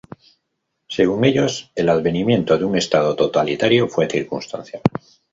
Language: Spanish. Según ellos, el advenimiento de un estado totalitario fue circunstancial.